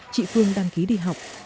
chị phương đăng ký đi học